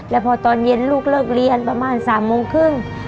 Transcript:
แล้วพอตอนเย็นลูกเลิกเรียนประมาณ๓โมงครึ่ง